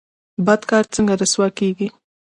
بد کار څنګه رسوا کیږي؟